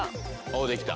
おできた。